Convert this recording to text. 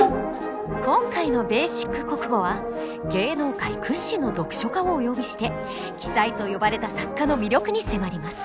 今回の「ベーシック国語」は芸能界屈指の読書家をお呼びして鬼才と呼ばれた作家の魅力に迫ります。